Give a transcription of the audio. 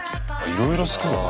いろいろ作るね。